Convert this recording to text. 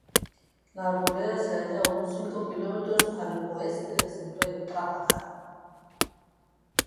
La Arboleda se halla a unos cinco kilómetros al oeste del centro de Trápaga.